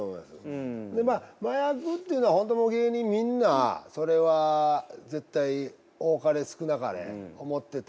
でまあ麻薬っていうのは本当もう芸人みんなそれは絶対多かれ少なかれ思ってて。